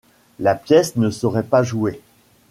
La pièce ne serait pas jouée.